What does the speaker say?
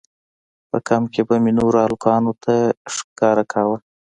په کمپ کښې به مې نورو هلکانو ته ښکاره کاوه.